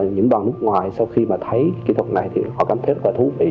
những đoàn nước ngoài sau khi mà thấy kỹ thuật này thì họ cảm thấy rất là thú vị